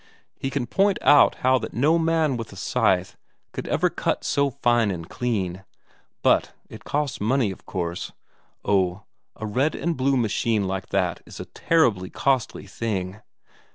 He can point out how that no man with a scythe could ever cut so fine and clean. But it costs money, of course oh, a red and blue machine like that is a terribly costly thing!